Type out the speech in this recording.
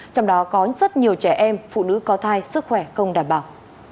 trong đó có rất nhiều trẻ em phụ nữ có thai sức khỏe không đảm bảo